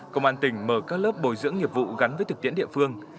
công an tỉnh mở các lớp bồi dưỡng nghiệp vụ gắn với thực tiễn địa phương